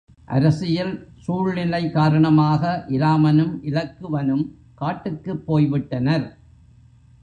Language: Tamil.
அரசியல் சூழ்நிலை காரணமாக இராமனும் இலக்குவனும் காட்டுக்குப் போய் விட்டனர்.